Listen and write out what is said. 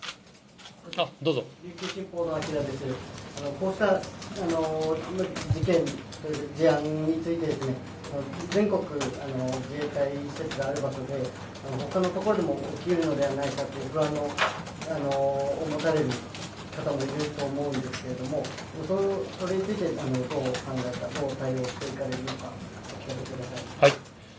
こうした事件、事案について、全国、自衛隊の施設のある場所で、ほかの所でも起きるのではないかという不安を持たれる方もいると思うんですけれども、それについてどうお考えか、どう対応していかれるのか、お聞かせください。